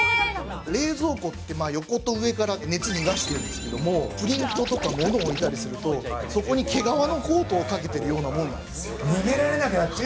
冷蔵庫って、横と上から熱逃がしてるんですけれども、プリントとかものを置いたりすると、そこに毛皮のコートをかけて逃げられなくなっちゃう。